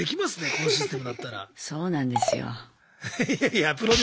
このシステムだったら。